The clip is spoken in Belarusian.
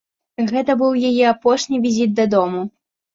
Гэта быў яе апошні візіт дадому.